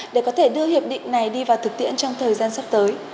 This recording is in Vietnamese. để có thể đưa hiệp định này đi vào thực tiễn trong thời gian sắp tới